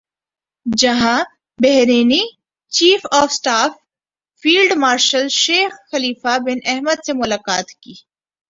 جہاں بحرینی chief of staff field marshal Sheikh Khalifa bin Ahmed سے ملاقات کی